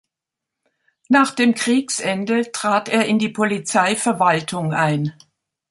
Nach dem Kriegsende trat er in die Polizeiverwaltung ein.